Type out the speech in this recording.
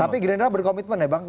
tapi gerindra berkomitmen ya bang